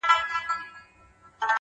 ولاكه مو په كار ده دا بې ننگه ككرۍ _